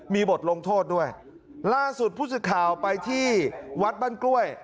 มีบทลงโทษด้วยล่าสุดผู้สื่อข่าวไปที่วัดบ้านกล้วย